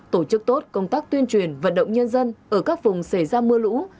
tổ chức tốt công tác tuyên truyền vận động nhân dân ở các vùng xảy ra mưa lũ